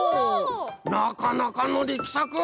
なかなかのりきさく！